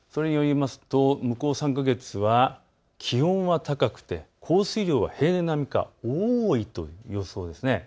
向こう３か月は気温が高くて降水量は平年並みか多いという予想です。